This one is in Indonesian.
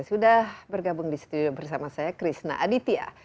sudah bergabung di studio bersama saya krishna aditya